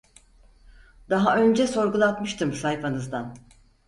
Daha önce sorgutlatmıştım sayfanızdan